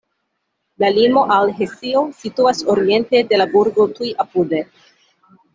La limo al Hesio situas oriente de la burgo tuj apude.